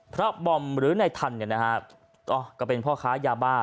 บอมหรือในทันเนี่ยนะฮะก็เป็นพ่อค้ายาบ้า